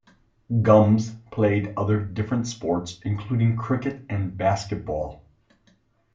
Gumbs played other different sports, including cricket and basketball.